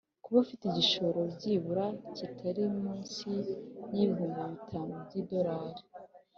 kuba afite igishoro byibura kitari munsi yibihumbi bitanu by’idorali